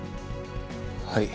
はい。